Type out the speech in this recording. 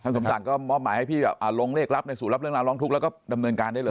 สมศักดิ์ก็มอบหมายให้พี่ลงเลขลับในศูนย์รับเรื่องราวร้องทุกข์แล้วก็ดำเนินการได้เลย